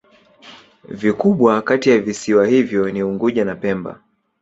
Vikubwa kati ya visiwa hivyo ni Unguja na Pemba.